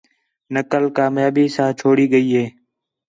نقل کامیابی ساں چھوڑی ڳئی ہِے